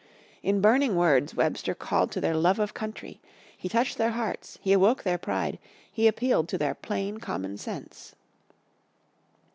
In burning words Webster called to their love of country. He touched their hearts, he awoke their pride, he appealed to their plain common sense.